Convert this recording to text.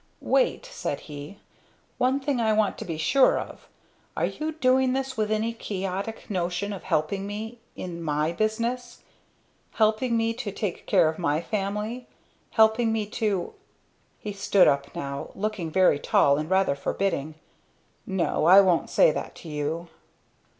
"Wait," said he. "One thing I want to be sure of. Are you doing this with any quixotic notion of helping me in my business? Helping me to take care of my family? Helping me to " he stood up now, looking very tall and rather forbidding, "No, I won't say that to you."